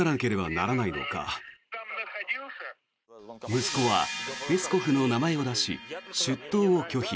息子はペスコフの名前を出し出頭を拒否。